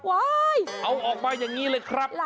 ว้ายหลายก้อนเลยเอาออกมาอย่างนี้เลยครับ